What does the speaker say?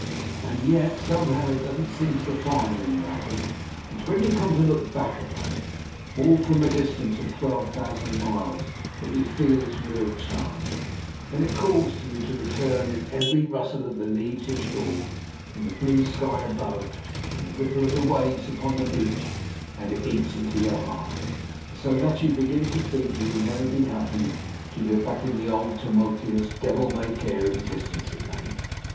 "And yet, somehow, it doesn't seem so fine when you're at it. It's when you come to look back upon it all from a distance of twelve thousand miles that you feel its real charm. Then it calls to you to return in every rustle of the leaves ashore, in the blue of the sky above, in the ripple of the waves upon the beach. And it eats into your heart, so that you begin to think you will never be happy till you're back in the old tumultuous devil may care existence again."